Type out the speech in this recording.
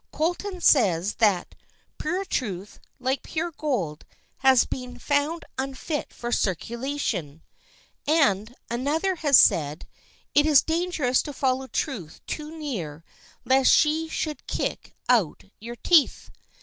Colton says that "pure truth, like pure gold, has been found unfit for circulation;" and another has said, "It is dangerous to follow truth too near lest she should kick out your teeth."